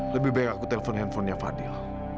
lebih baik aku telpon handphonenya fadil